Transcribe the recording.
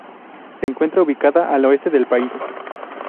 Se encuentra ubicada al oeste del país.